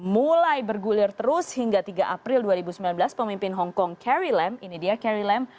mulai bergulir terus hingga tiga april dua ribu sembilan belas pemimpin hongkong carry lem ini dia carry lam